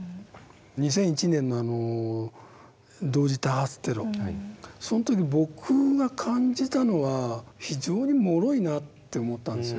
２００１年の同時多発テロその時僕が感じたのは非常にもろいなって思ったんですよ。